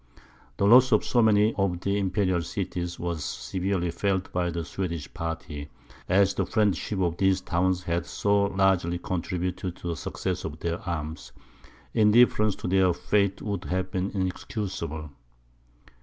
The loss of so many of the imperial cities was severely felt by the Swedish party; as the friendship of these towns had so largely contributed to the success of their arms, indifference to their fate would have been inexcusable.